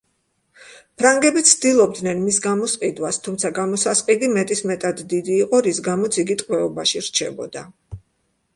ფრანგები ცდილობდნენ მის გამოსყიდვას, თუმცა გამოსასყიდი მეტისმეტად დიდი იყო, რის გამოც იგი ტყვეობაში რჩებოდა.